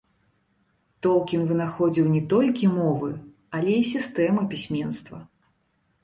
Толкін вынаходзіў не толькі мовы, але і сістэмы пісьменства.